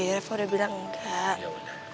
reva udah bilang enggak